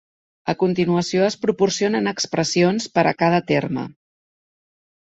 A continuació es proporcionen expressions per a cada terme.